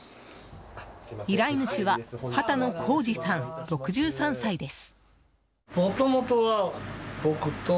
依頼主は畑野浩二さん、６３歳です。